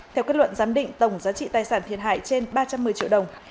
theo kết luận giám định tổng giá trị tài sản thiệt hại trên ba trăm một mươi triệu đồng